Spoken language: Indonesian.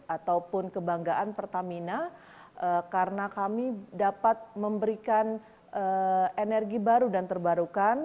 ataupun kebanggaan pertamina karena kami dapat memberikan energi baru dan terbarukan